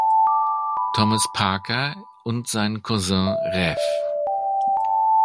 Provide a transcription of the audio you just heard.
Thomas Parker und sein Cousin Rev.